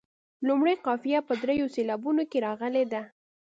لومړۍ قافیه په دریو سېلابونو کې راغلې ده.